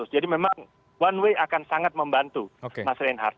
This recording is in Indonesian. jadi memang one way akan sangat membantu mas renhard